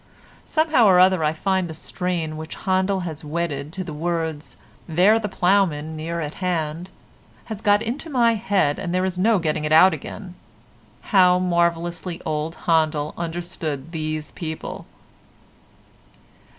Somehow or other I find the strain which Handel has wedded to the words "There the ploughman near at hand," has got into my head and there is no getting it out again. How marvellously old Handel understood these people!